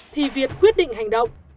thì việt quyết định hành động